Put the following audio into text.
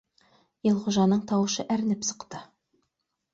— Илғужаның тауышы әрнеп сыҡты